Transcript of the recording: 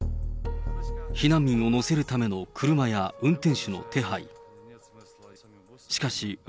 避難民を乗せるための車や運転手の手配。